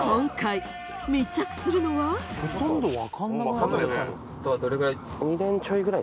ほとんどわかんなくない？